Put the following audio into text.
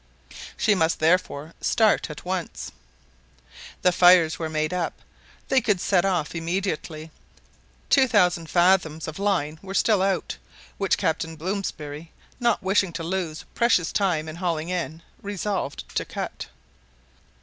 She must therefore start at once. The fires were made up; they could set off immediately. Two thousand fathoms of line were still out, which Captain Blomsberry, not wishing to lose precious time in hauling in, resolved to cut.